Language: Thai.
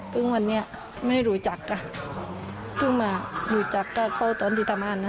เพิ่งวันนี้ไม่รู้จักก็เพิ่งว่ารู้จักแต่เข้าตรงที่ตามอานนะ